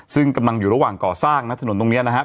ซึ่งกำลังอยู่ระหว่างก่อสร้างนะถนนตรงนี้นะครับ